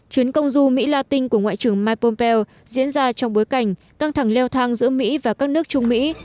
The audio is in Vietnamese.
chuyến công du mỹ la tinh của ngoại trưởng mike pompeo diễn ra trong bối cảnh căng thẳng leo thang giữa mỹ và các nước trung mỹ